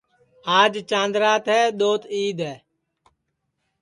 آج چند رات ہے دؔوت عید ہے